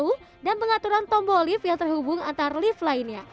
selesai lantai tertentu dan pengaturan tombol lift yang terhubung antar lift lainnya